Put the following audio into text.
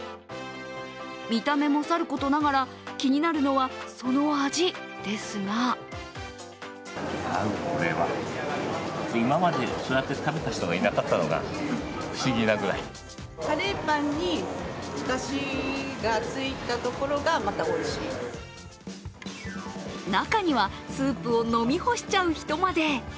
見た目もさることながら気になるのはその味、ですが中にはスープを飲み干しちゃう人まで。